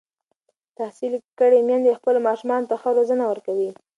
تحصیل کړې میندې خپلو ماشومانو ته ښه روزنه ورکوي.